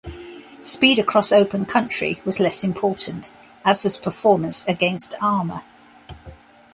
Speed across open country was less important, as was performance against armour.